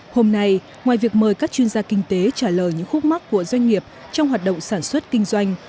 hôm nay ngoài việc mời các chuyên gia kinh tế trả lời những khúc mắt của doanh nghiệp trong hoạt động sản xuất kinh doanh